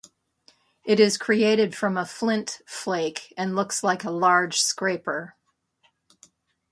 It is created from a flint flake and looks like a large scraper.